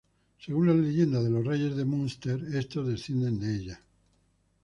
Según la leyenda de los reyes de Munster, estos descienden de ella.